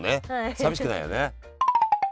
寂しくないよね。